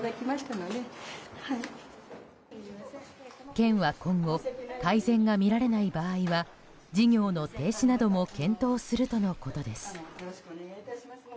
県は今後改善が見られない場合は事業の停止なども検討するとのことです。